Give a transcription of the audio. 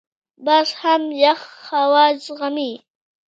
باز هم یخ هوا زغمي